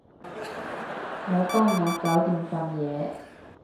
佢幫我搞掂份嘢